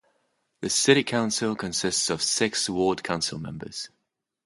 The city council consists of six ward council members.